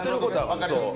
わかります。